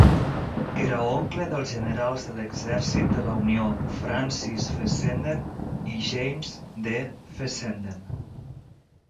Era oncle dels generals de l'Exèrcit de la Unió Francis Fessenden i James D. Fessenden.